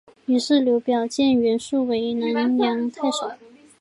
于是刘表荐袁术为南阳太守。